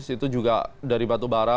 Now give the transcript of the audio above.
itu juga dari batu bara